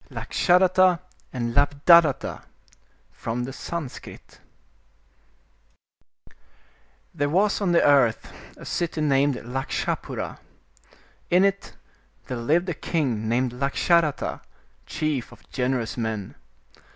Lakshadatta and Labdhadatta From the Sanskrit 'T*HERE was on the earth a city named Lakshapura. In it there lived a king named Lakshadatta, chief of gen erous men.